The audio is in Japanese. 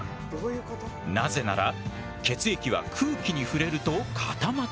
なぜなら血液は空気に触れると固まってしまう。